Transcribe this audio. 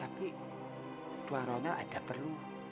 tapi tuan ronald ada perlu